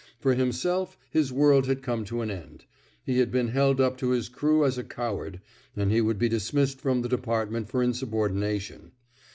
For himself, his world had come to an end. He had been held up to his crew as a coward, and he would be dismissed from the department for insubor dination.